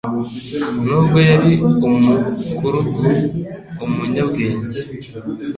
Nubwo yari umukurugu, umunyabwenge